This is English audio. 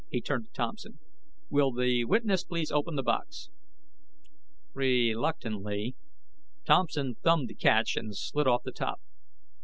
He turned to Thompson. "Will the witness please open the box?" Reluctantly, Thompson thumbed the catch and slid off the top.